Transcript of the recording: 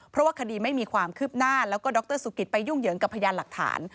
เพราะว่าคดีไม่มีความคืบหน้าแล้วก็ดรสุกิตไปยุ่งเหยิงกับพยานหลักฐาน